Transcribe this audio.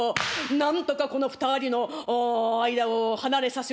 なんとかこの２人の間を離れさせようとですね